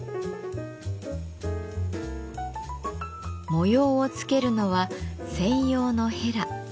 模様をつけるのは専用のへら。